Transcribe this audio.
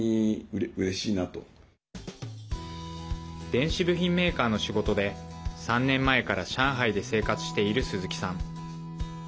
電子部品メーカーの仕事で３年前から上海で生活している鈴木さん。